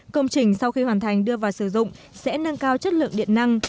công trình sau khi hoàn thành đưa vào sử dụng sẽ nâng cao chất lượng điện năng